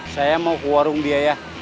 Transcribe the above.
saya mau ke warung biaya